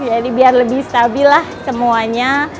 jadi biar lebih stabil lah semuanya